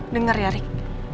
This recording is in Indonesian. dengar ya rik